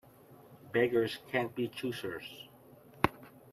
Beggars can't be choosers.